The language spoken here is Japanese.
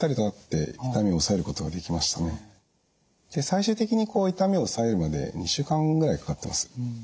最終的に痛みを抑えるまで２週間ぐらいかかってます。